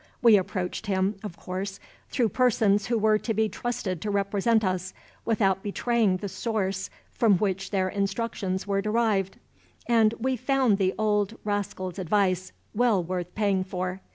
We approached him, of course, through persons who were to be trusted to represent us, without betraying the source from which their instructions were derived; and we found the old rascal's advice well worth paying for.